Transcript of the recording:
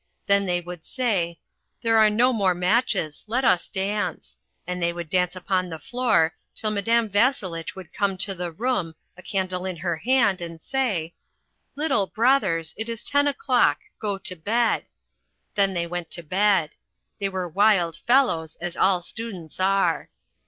Then they would say, "There are no more matches; let us dance," and they would dance upon the floor, till Madame Vasselitch would come to the room, a candle in her hand, and say, "Little brothers, it is ten o'clock. Go to bed." Then they went to bed. They were wild fellows, as all students are.